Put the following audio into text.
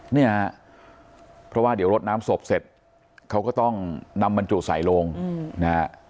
เนี่ยเพราะว่าเดี๋ยวรดน้ำศพเสร็จเขาก็ต้องนำบรรจุใส่ลงนะฮะ